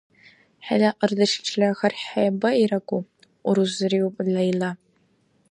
— ХӀела арадешличила хьархӀебаирагу, — урузриуб Лейла.